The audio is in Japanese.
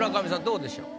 どうでしょう？